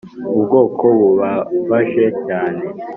ubwoko bubabaje cyane.